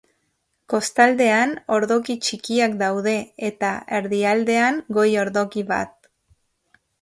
Kostaldean ordoki txikiak daude, eta erdialdean goi ordoki bat.